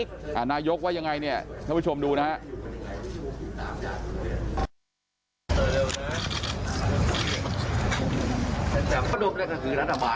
ท่านเอมิวคะวันนี้มีหลายคนตั้งคำถามว่า